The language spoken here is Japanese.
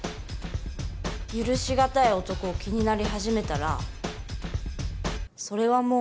許しがたい男を気になり始めたらそれはもう。